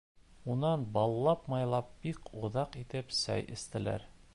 Унан баллап-майлап бик оҙаҡ итеп сәй эстеләр.